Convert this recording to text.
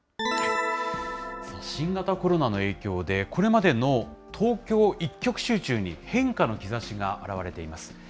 新型コロナの影響で、これまでの東京一極集中に変化の兆しが現れています。